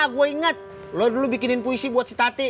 gue inget lo dulu bikinin puisi buat si tati